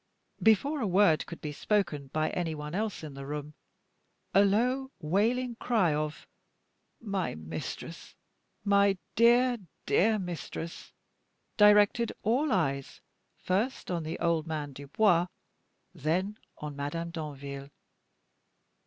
Before a word could be spoken by any one else in the room, a low wailing cry of "My mistress! my dear, dear mistress!" directed all eyes first on the old man Dubois, then on Madame Danville.